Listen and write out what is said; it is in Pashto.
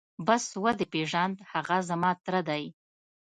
بس ودې پېژاند هغه زما تره دى.